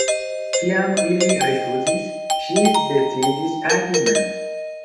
Kiam ili rifuzis, ŝi decidis agi mem.